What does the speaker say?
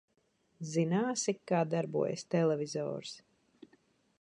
Zināsi, kā darbojas televizors?